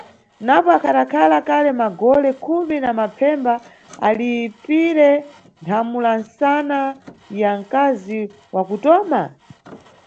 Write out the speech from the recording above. Napo, akhadakhala kale magole khumi na mapfemba alipire nthamula msana ya mkazi wa kutoma?